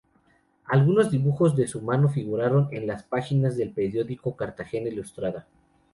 Algunos dibujos de su mano figuraron en las páginas del periódico "Cartagena Ilustrada".